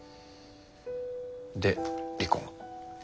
で離婚？